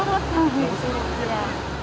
nunggu turut ya